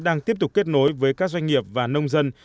đang tiếp tục kết nối với các doanh nghiệp và nông dân